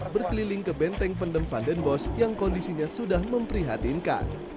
berkeliling ke benteng pendem vandenbos yang kondisinya sudah memprihatinkan